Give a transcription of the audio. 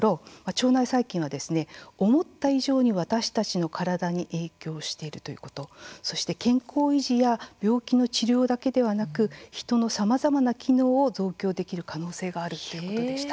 腸内細菌は思った以上に私たちの体に影響しているということそして、健康維持や病気の治療だけではなく、人のさまざまな機能を増強できる可能性があるということでした。